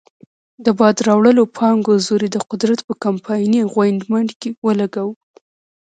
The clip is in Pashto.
د باد راوړو پانګو زور یې د قدرت په کمپایني غویمنډ کې ولګاوه.